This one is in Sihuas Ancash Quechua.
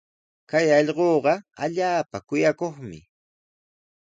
Kay allquuqa allaapa kuyakuqmi.